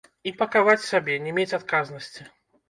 І пакаваць сабе, не мець адказнасці.